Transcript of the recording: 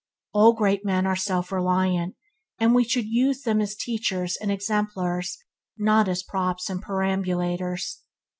All great men are self reliant, and we should use them as teachers and exemplars and not as props and perambulators.